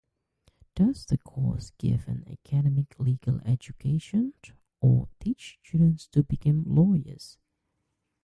Does the course give an academic legal education or teach students to become lawyers?